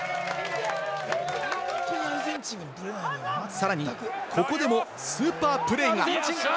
さらにここでもスーパープレーが。